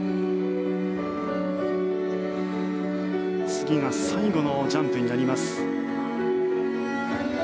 次が最後のジャンプになります。